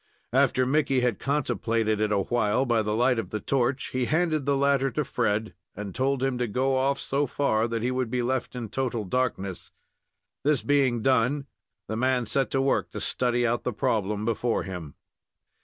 After Mickey had contemplated it awhile by the light of the torch, he handed the latter to Fred, and told him to go off so far that he would be left in total darkness. This being done, the man set to work to study out the problem before him.